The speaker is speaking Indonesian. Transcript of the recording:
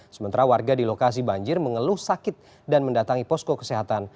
sementara warga di lokasi banjir mengeluh sakit dan mendatangi posko kesehatan